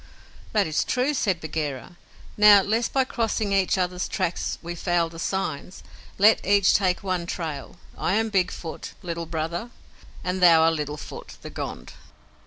"That is true," said Bagheera. "Now, lest by crossing each other's tracks we foul the signs, let each take one trail. I am Big Foot, Little Brother, and thou art Little Foot, the Gond."